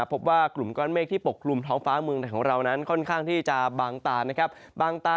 พบว่ากลุ่มก้อนเมฆที่ปกคลุมท้องฟ้าเมืองไทยของเรานั้นค่อนข้างที่จะบางตานะครับ